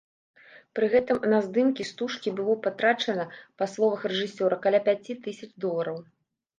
Пры гэтым на здымкі стужкі было патрачана, па словах рэжысёра, каля пяці тысяч долараў.